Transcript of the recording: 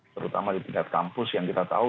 terutama di tingkat kampus yang kita tahu